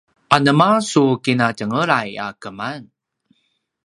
anema su kinatjenglay a keman?